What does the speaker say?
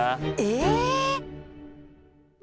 え！